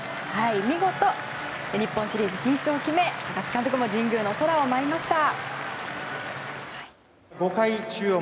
見事日本シリーズ進出を決め高津監督も神宮の空を舞いました。